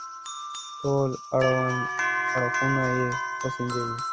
ټول اړوند اړخونه يې وسنجوي.